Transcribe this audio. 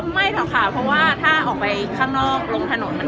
ไม่หรอกค่ะเพราะว่าถ้าออกไปข้างนอกลงถนน